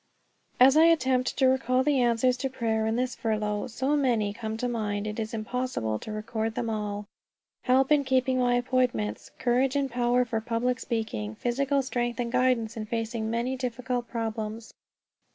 As I attempt to recall the answers to prayer on this furlough, so many come to mind it is impossible to record them all help in keeping my appointments, courage and power for public speaking, physical strength, and guidance in facing many difficult problems.